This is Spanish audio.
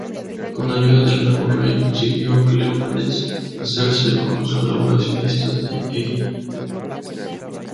Con la ayuda del nuevo rey consiguió Cleómenes hacerse con los colaboracionistas de Egina.